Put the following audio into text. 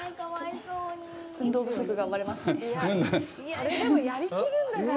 運動不足がバレますね。